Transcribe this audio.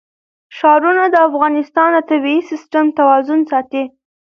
ښارونه د افغانستان د طبعي سیسټم توازن ساتي.